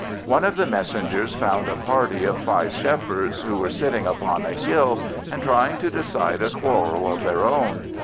One of these messengers found a party of five Shepherds, who were sitting upon a hill and trying to decide a quarrel of their own.